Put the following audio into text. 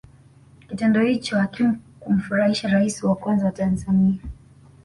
kitendo hicho hakikumfurahisha raisi wa kwanza wa tanzania